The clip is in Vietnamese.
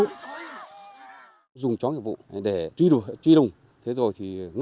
chúng tôi dùng chó nghiệp vụ để đấu tranh thành công nhờ chó nghiệp vụ